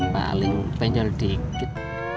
paling penjol dikit